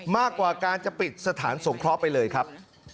มากกว่าการจะปิดสถานสงเคราะห์ไปเลยครับ